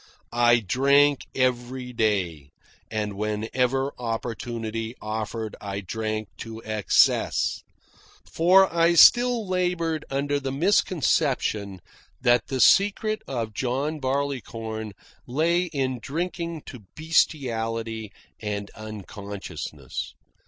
I drank every day, and whenever opportunity offered I drank to excess; for I still laboured under the misconception that the secret of John Barleycorn lay in drinking to bestiality and unconsciousness.